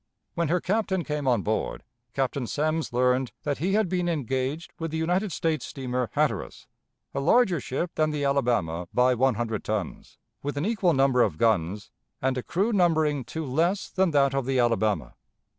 When her captain came on board, Captain Semmes learned that he had been engaged with the United States steamer Hatteras, "a larger ship than the Alabama by one hundred tons," with an equal number of guns, and a crew numbering two less than that of the Alabama.